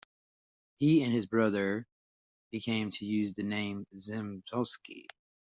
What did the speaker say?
He and his brother Maciej began to use the name Zamoyski.